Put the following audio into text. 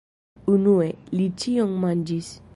Unue, li ĉion manĝis.